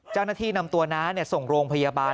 เจ้าหน้าที่นำตัวน้าส่งโรงพยาบาล